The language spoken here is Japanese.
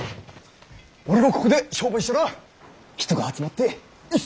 俺もここで商売したら人が集まって一石二鳥！